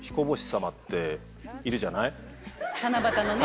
七夕のね。